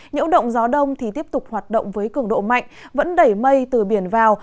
nhiễu động gió đông thì tiếp tục hoạt động với cường độ mạnh vẫn đẩy mây từ biển vào